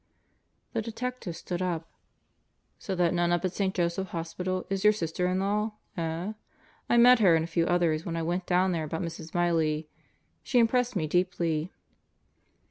The detective stood up. "So that nun up at St. Joseph's Hospital is your sister in law, eh? I met her and a few others when I went there about Mrs. Miley. She impressed me deeply."